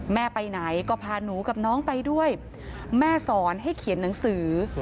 แม่ไปไหนก็พาหนูกับน้องไปด้วยแม่สอนให้เขียนหนังสือ